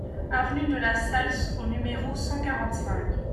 Avenue de la Salse au numéro cent quarante-cinq